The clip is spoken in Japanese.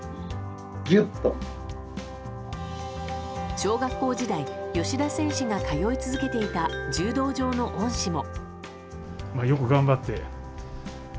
小学校時代芳田選手が通い続けていた柔道場の恩師も。